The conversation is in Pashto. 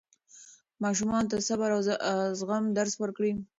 ماشومانو ته د صبر او زغم درس ورکړئ.